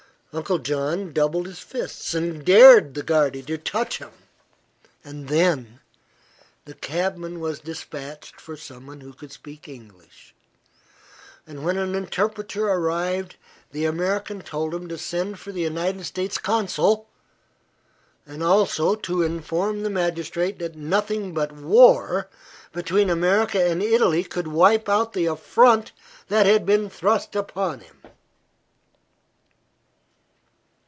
Uncle John doubled his fists and dared the guarde to touch him. Then the cabman was dispatched for someone who could speak English, and when an interpreter arrived the American told him to send for the United States consul and also to inform the magistrate that nothing but war between America and Italy could wipe out the affront that had been thrust upon him.